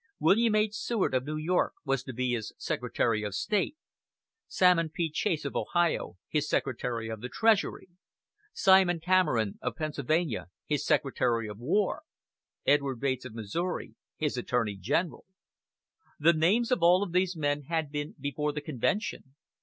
William H. Seward, of New York, was to be his Secretary of State; Salmon P. Chase, of Ohio, his Secretary of the Treasury; Simon Cameron, of Pennsylvania, his Secretary of War; Edward Bates, of Missouri, his Attorney General. The names of all of these men had been before the Convention.